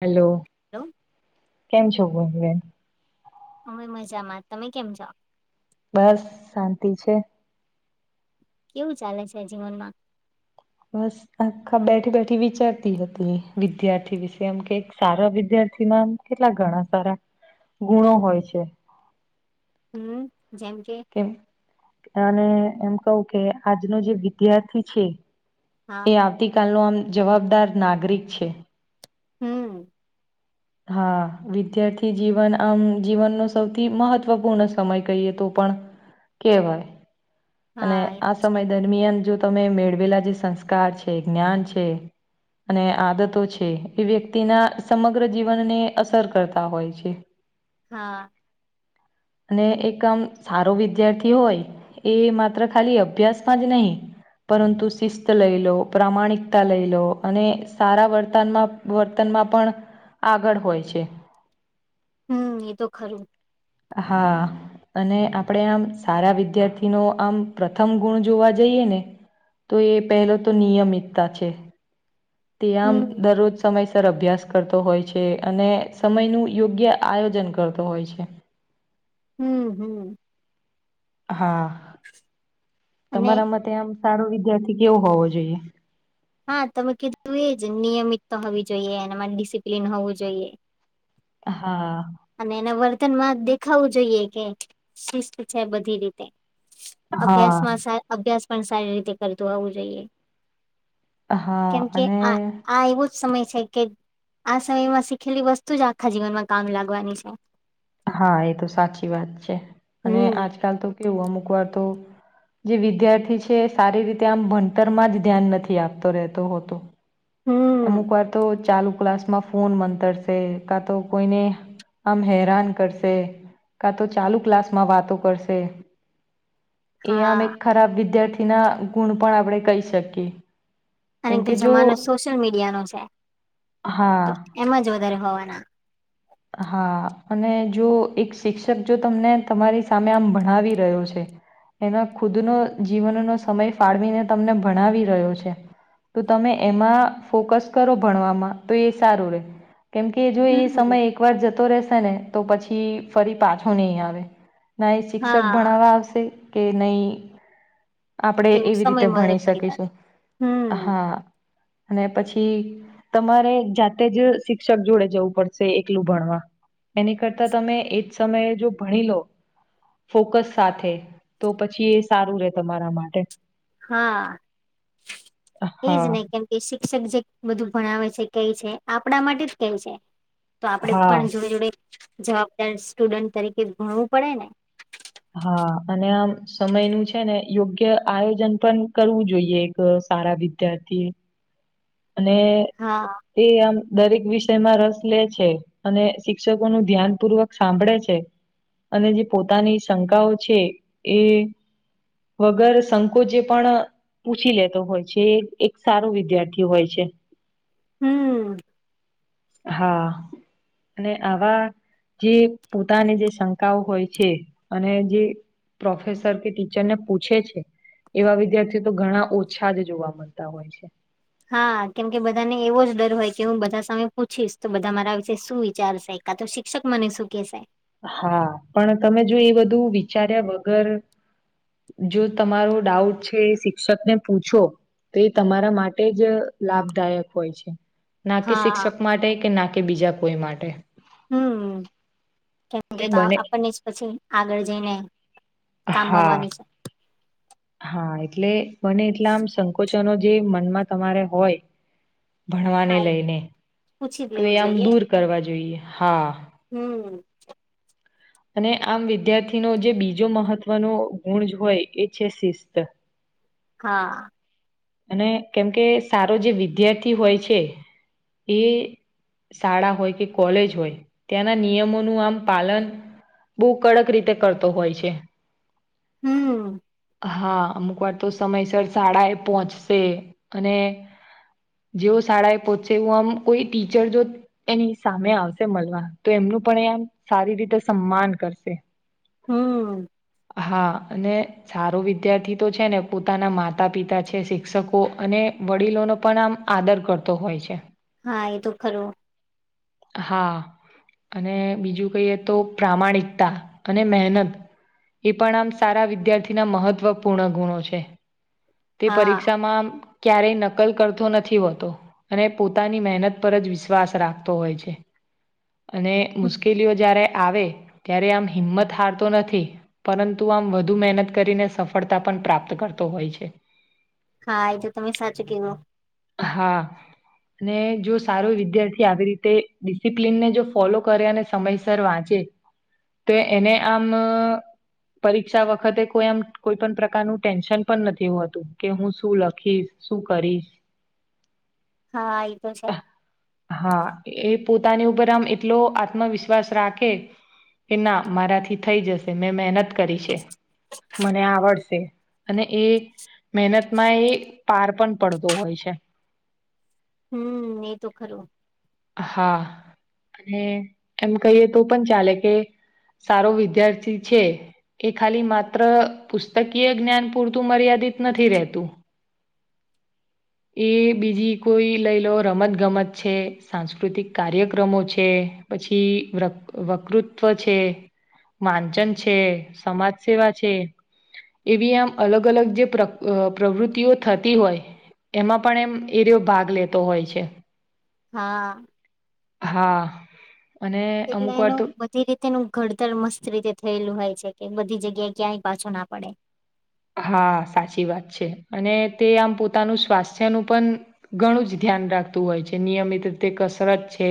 Hello hello કેમ છો બેન અમે મજામાં તમે કેમ છો બસ શાંતિ છે કેવું ચાલે છે જીવનમાં બસ આખા બેઠી બેઠી વિચારતી હતી વિદ્યાર્થી વિશે આમ કે એક સારા વિદ્યાર્થી કેટલા ઘણા સારા ગુણો હોય છે હમ જેમ કે કેમ અને એમ કહું કે આજનો જે વિદ્યાર્થી છે હા એ આવતી કાલનો આમ જવાબદાર નાગરિક છે હમ હા વિદ્યાર્થી જીવન આમ જીવનનો સૌથી મહત્વપૂર્ણ સમય કહીએ તો પણ કેવાય અને હા એ- આ સમય દરમિયાન જો તમે મેળવેલા જે સંસ્કાર છે જ્ઞાન છે અને આદતો છે એ વ્યક્તિના સમગ્ર સમગ્ર જીવનને અસર કરતા હોય છે હા [inaudible] અને એક આમ સારો વિદ્યાર્થી હોય એ માત્ર ખાલી અભ્યાસમાં જ નહીં પરંતુ શિસ્ત લઈલો પ્રામાણિકતા લઈલો અને સારા વર્તનમાં વર્તન પણ આગળ હોય છે હમ એ તો ખરું હા અને આપણેે આમ સારા વિદ્યાર્થી ન આમ પ્રથમ ગુણ જોવા જઈએ ને તો એ પહેલો તો નિયમિતતા છે તે આમ હમ દરરોજ સમય તર અભ્યાસ કરતો હોય છે અને સમય નું યોગ્ય આયોજન કરતો હોય છે હમ હમ હા અને તમારા માટે આમ સારો વિદ્યાર્થી કેવો હોવો જોઈએ હા તમે કીધું એ જ નિયમિત તો હોવી જોઈએ એમાં ડિસિપ્લિન હોવું જોઈએ હા અને એના વર્તનમાં દેખાવું જોઈએ કે શિસ્ત છે બધી રીતે હા. અભ્યાસમાં અભ્યાસ પણ સારી રીતે કરતું હોવું જોઈએ હા કેમ કે અને આ આ એવો જ સમય છે કે આ સમયમાં શીખેલી વસ્તુ જ આખા જીવનમાં કામ લાગવાની છે હા એ તો સાચી વાત છે અને હમ આજકાલ તો કેવું અમુક વાર તો જે વિદ્યાર્થી છે સારી રીતે આમ ભણતરમાં જ ધ્યાન નથી આપતો રહેતો હોતો અમુક હમ વાર તો ચાલુ ક્લાસમાં ફોન મંતરશે ક તો કોઈને આમ હેરાન કા તો ચાલુ ક્લાસ માં વાતો કરશે એ આમ એક હા ખરાબ વિદ્યાર્થી ના ગુણ પણ આપણે કહી શકીએ અને કેમ જે કે જો જમાનો સોશિયલ મીડિયાનોો છે તો હા એમાં જ વધારે હોવાના હા અને જો એક શિક્ષક જો તમને તમારી સામે આમ ભણાવી રહ્યો છે એના ખુદનો જીવનનો સમય ફાળવીને તમને ભણાવી રહ્યો છે તો તમે એમાં ફોકસ કરો ભણવામાં તો એ સારું રે કેમ કે જો એ સમય હમ એક વાર જતો રહેશે ને તો પછી ફરી પાછો નહી આવે ના એ શિક્ષક હા ભણાવવા આવશે કે નઈ આપણેે એવું એવી સમય રીતે મળે ભણી ફરી વાર શકીશું હમ હા અને પછી કે તમારે જાતે જ શિક્ષક જોડે જવું પડશે કેટલું ભણવા એની કરતા તમે એજ સમયે જો ભણી લો ફોકસ સાથે તો પછી એ સારું રે તમારા માટે હા એજ હા ને કેમ કે શિક્ષક જે બધું ભણાવે છે કઈ છે આપણા માટે જ કઈ છે તો આપડે હા પણ જોડે જોડે જવાબદાર સ્ટુડન્ટ તરીકે ભણવું પડે ને સમય નું છે ને યોગ્ય આયોજન પણ કરવું જોઈએ એક સારા વિદ્યાર્થી એ અને હા એ આમ દરેક વિષયમાં રસ લે છે અને શિક્ષકો નું ધ્યાનપૂર્વક સાંભળે છે અને જે પોતાની શંકાઓ છે એ વગર સંકોચે પણ પૂછી લેતો હોય છે એક સારો વિદ્યાર્થી થી હોય છે હમ હા અને આવા જે પોતાની જે શંકાઓ હોય છે અને જે પ્રોફેસર કે ટીચર ને પૂછે છે એવા વિદ્યાર્થીઓ તો ઘણા ઓછા જ જોવા મળતા હોય છે હા કેમકે બધા ને એવો જ ડર હોય કે હું બધા સામે પૂછીશ તો બધા મારા વિશે શું વિચારશે કા તો શિક્ષક મને શું કેશે હા પણ તમે જો એ બધું વિચાર્યા વગર જો તમારો ડાઉટ છે એ શિક્ષકને પૂછો ત એ તમારા માટે જ લાભદાયક હોય છે ના કે હા શિક્ષક માટે કે ના કે બીજા કોઈ માટે હમ કેમ કે એટલે બને આપણને જ પછી આગળ જઈને કામ હા આવવાનું છે હા એટલે બને એટલા આમ સંકોચનો જે મનમાં તમારે હોય ભણવાને હા એ લઈને પૂછી જ તો એ લેવું આમ જોઈએ દૂર કરવા જોઈએ હા હમ અને આમ વિદ્યાર્થીનો જે બીજો મહત્વનો ગુણ હોય એ છે શિસ્ત હા અને કેમકે સારો જે વિદ્યાર્થી હોય છે એ શાળા હોય કે કોલેજ હોય ત્યાંના નિયમોનું આમ પાલન બહુ કડક રીતે કરતો હોય છે હમ હા અમુક વાર તો સમયસર શાળા એ પહોંચશે અને જેવો શાળા એ પહોંચશે હું આમ કોઈ ટીચર જો એની સામે આવશે મળવા તો એમ નું પણ એમ સારી રીતે સન્માન કરશે હમ હા અને સારો વિદ્યાર્થી તો છે ને પોતાના માતા પિતા છે શી શિક્ષકો અને વડીલોનો પણ આમ આદર કરતો હોય છે હા એ તો ખરું હા અને બીજું કહીએ તો પ્રામાણિકતા અને મહેનત એ પણ આમ સારા વિદ્યાર્થીના મહત્વપૂર્ણ ગુણો છે તે હા પરીક્ષામાં આમ ક્યારેય નકલ કરતો નથી હોતો અને પોતાની મહેનત પર જ વિશ્વાસ રાખતો હોય. હોય છે અને હમ મુશ્કેલીઓ જ્યારે આવે ત્યારે આમ હિંમત હાર તો નથી પરંતુ આમ વધુ મહેનત કરીને સફળતા પણ યા પણ પ્રાપ્ત કરતો હોય છે હા એ તો તમે સાચું કેવો હા અને જો સારો વિદ્યાર્થી આવી રીતે ડિસિપ્લીન ને જો ફોલો કરે અને સમયસર વાંચે ચે તો એને આમ પરીક્ષા વખતે કોઈ આમ કોઈ પણ પ્રકારનું ટેન્શન પણ નથી હોતું કે હું શું લખીશ શું કરીશ હા એ તો છે હા એ પોતાની ઉપર આમ એટલો આત્મવિશ્વાસ રાખે કે ના મારાથી થઈ જશે મેં મહેનત કરી છે મને આવડશે અને એ મહેનતમાં એ પાર પણ પડતો હોય છે હમ એ તો ખરું હા અને એમ કહીએ તો પણ ચાલે કે સારો વિદ્યાર્થી છે એ ખાલી માત્ર પુસ્તકીય જ્ઞાન પૂરતું મર્યાદા ર નથી રતું એ બીજી કોઈ લઈ લો રમત ગમત છે સાંસ્કૃતિક કાર્યક્રમો છે પછી વ વકૃત્વ છે માનચન છે સમાજ સેવા છે એવી આમ અલગ અલગ જે પ્ર પ્રવૃતિઓ થતી હોય એમાં પણ એમ એરિયો ભાગ લેતો હોય છે હા હા અને એટલે અમુક વાર એનું તો બધી રીતેનું ઘડતર મસ્ત રીતે થયેલું હોય છે કે બધી જગ્યાએ ક્યાંય પાછો ના પડે હા સાચી વાત છે, અને તે આમ પોતાનું સ્વા છે, નું પણ ઘણું જ ધ્યાન રાખતું હોય છે, નિયમિત રીતે કસરત છે.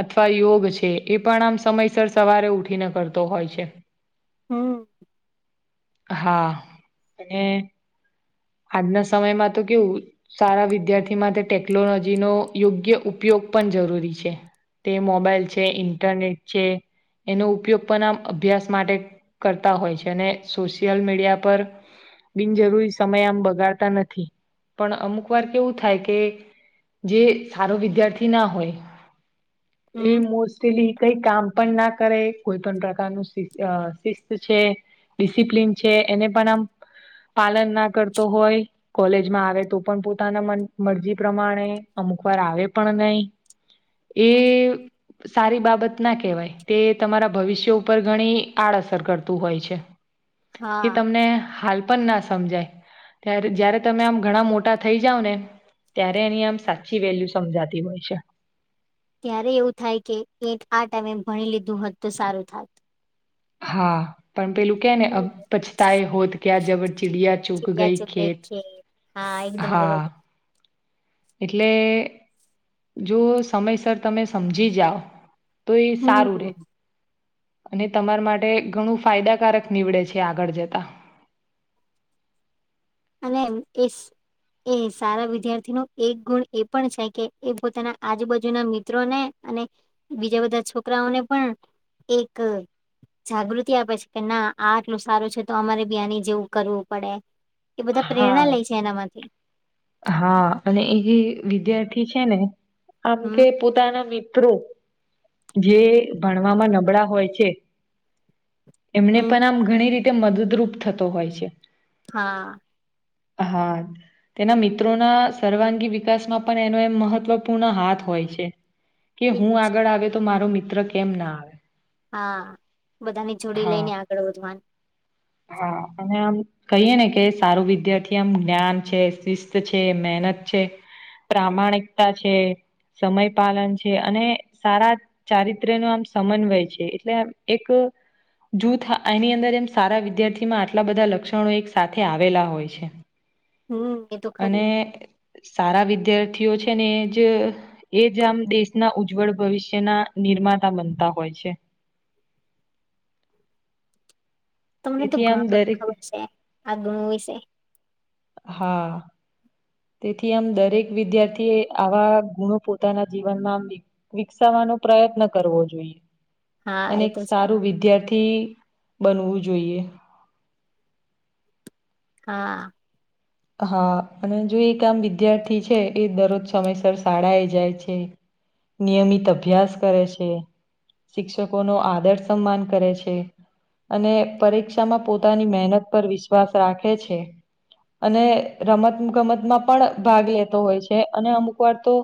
અથવા યોગ છે, એ પણ આમ સમયસર સવારે ઉઠીને કરતો હોય છે. હમ. હા અને આજના સમયમાં તો કેવું સારા વિદ્યાર્થી માટે ટેકનોલોજીનો યોગ્ય ઉપયોગ પણ જરૂરી છે, તે મોબાઈલ છે, ઇન્ટરનેટ છે. એનો ઉપયોગ પણ આમ અભ્યાસ માટે કરતા હોય છે, અને સોશિયલ મીડિયા પર બિનજરૂરી સમય આમ બગાડતા નથી પણ અમુક વાર કેવું થાય કે જે હારો વિદ્યાર્થી ના હોય હમ એ મોસ્ટલી કઈ કામ પણ ના કરે કોઈ પણ પ્રકારનું અ શિસ્ત છે. ડિસિપ્લન છે, એને પણ આમ પાલન ના કરતો હોય કોલેજમાં આવે તો પણ પોતાના મન મરજી પ્રમાણે અમુક વાર આવે પણ નય એ સારી બાબત ના કહેવાય તે તમારા ભવિષ્ય ઉપર ઘણી આડઅસર કરતું હોય છે‌. એ હા તમને હાલ પન ના સમજાય ત્યારે જયારે તમે આમ ઘણા મોટા થઈ જાઓ ને ત્યારે એની આમ સાચી વેલ્યુ સમજાતી હોય છે. ત્યારે એવું થાય કે એક આ ટાઈમે ભણી લીધું હોત તો સારું થાત હા પણ પેલું કે ને હમ અબ પછતા એ હોત કયા જબ ચિડિયા ચુગ ગઈ યાદ ખેત છે હા એકદમ બરોબર હા એટલે જો સમયસર તમે સમજી જાઓ તો એ હમ સારું રે અને તમારા માટે ઘણું ફાયદાકારક નીવડે છે, આગળ જતા અને એમ એસ એ સારા વિદ્યાર્થી નો એક ગુણ એ પણ છે, કે એ પોતાના આજુબાજુના મિત્રો ને અને બીજા બધા છોકરાઓને પણ એક જાગૃતિ આપે છે, કે ના આ આટલું સારું છે, તો અમારે બી આની જેવું કરવું પડે એ બધા પ્રેરણા હા લે છે, એનામાંથી હા અને એ જે વિદ્યાર્થી છે, ને આમ હમ કે પોતાના મિ ત્રો જે ભણવામાં નબળા હોય છે. એમને હમ પણ આમ ઘણી રીતે મદદરૂપ થતો હોય છે. હા. હા. તેના મિત્રોના સર્વાંગી વિકાસમાં પણ એનો એમ મહત્વપૂર્ણ હાથ હોય છે. કે એ હું તો છે આગળ આવે તો મારો મિત્ર કેમ ના આવે હા બધાની જોડી હા લઈને આગળ વધવાનું હા અને આમ કહીએ ને કે સારું વિધ્યાર્થી આમ જ્ઞાન છે, શિસ્ત છે, મેહ નત છે, પ્રામાણિકતા છે, સમય પાલન છે, અને સારા ચારિત્ર્યનો આમ સમન્વય છે, એટલે એક જૂથ એની અંદર એમ સારા વિદ્યાર્થીમાં આટલા બધા લક્ષણો એક સાથે આવેલા હોય છે. હમ એ તો અને ખરું સારા વિદ્યા થી ઓ છે, ને એ જ એ જ આમ દેશના ઉજ્જવળ ભવિષ્યના નિર્માતા બનતા હોય છે. તમને તો તેથી આમ ઘણું બધું દરેક ખબર છે, આ ગુણો વિશે હા. તેથી આમ દરેક વિદ્યાર્થી એ આવા ગુણો પોતાના જીવનમાં વિ વિકસાવા નો પ્રયત્ન જોઈએ હા અને એ તો છે સારું વિદ્યાર્થી બનવુ જોઈએ હા હા અને જો એક આમ વિદ્યાર્થી છે એ દરરોજ સમયસર શાળા એ જાય છે નિયમિત અભ્યાસ કરે છે શિક્ષકો નો આદર સમાન કરે છે અને પરીક્ષામાં પોતાની મહેનત પર વિશ્વાસ રાખે છે અને રમત ગમતમાં પણ ભાગ લેતો હોય છે અને અમુક વાર તો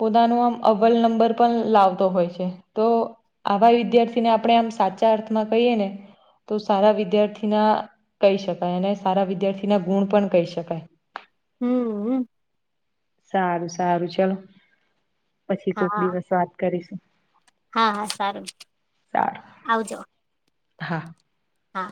પોતાનું આમ અવવલ નંબર પણ લાવતો હોય છે તો આવા વિદ્યાર્થીને આપણે આમ સાચા અર્થમાં કહીએ ને તો સારા વિદ્યાર્થીના કહી શકાય અને સારા વિદ્યાર્થીના ગુણ પણ કહી શકાય હમ હ સારું સારું ચલો પછી હા કોક દિવસ વાત કરીશું હા હા સારું સારું. આવજો હા હા